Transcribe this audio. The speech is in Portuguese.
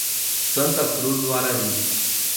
Santa Cruz do Arari